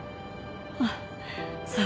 あっそう。